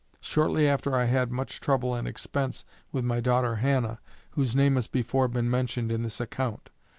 Shortly after I had much trouble and expense with my daughter Hannah, whose name has before been mentioned in this account.